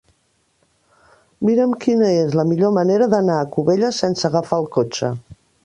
Mira'm quina és la millor manera d'anar a Cubelles sense agafar el cotxe.